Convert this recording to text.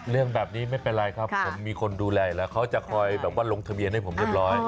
เรื่องแบบนี้ไม่เป็นไรครับผมมีคนดูแลอยู่แล้วเขาจะคอยแบบว่าลงทะเบียนให้ผมเรียบร้อย